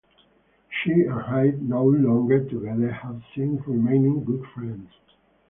She and Hyde, no longer together, have since remained good friends.